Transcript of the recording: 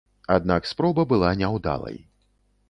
Аднак спроба была няўдалай.